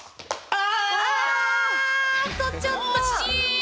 ああとちょっと！